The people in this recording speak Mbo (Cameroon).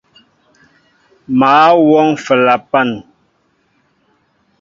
Mă wɔŋ flapan.